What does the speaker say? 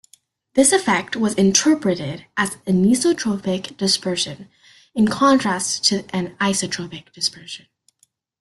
This effect was interpreted as anisotropic dispersion in contrast to an isotropic dispersion.